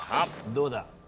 どうだ？